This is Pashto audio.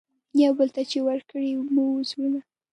یوه بل ته چي ورکړي مو وه زړونه